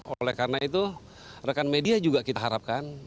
oleh karena itu rekan media juga kita harapkan